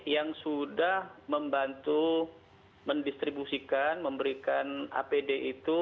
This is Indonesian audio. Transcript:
yang sudah membantu mendistribusikan memberikan apd itu